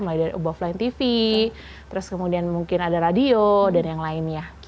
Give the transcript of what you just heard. mulai dari boveline tv terus kemudian mungkin ada radio dan yang lainnya